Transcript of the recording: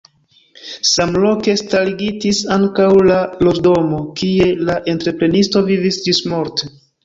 Samloke starigitis ankaŭ la loĝdomo kie la entreprenisto vivis ĝismorte.